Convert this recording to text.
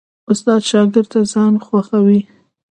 استاد شاګرد ته ځان خوښوي.